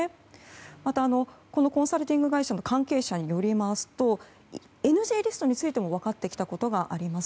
またこのコンサルティング会社の関係者によりますとＮＧリストについても分かってきたことがあります。